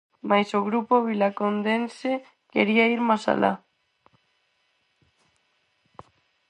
Mais o grupo vilacondense quería ir máis alá.